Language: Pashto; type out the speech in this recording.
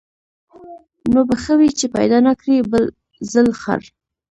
نو به ښه وي چي پیدا نه کړې بل ځل خر